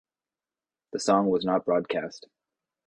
The song was not broadcast.